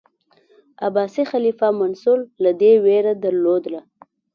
عباسي خلیفه منصور له ده ویره درلوده.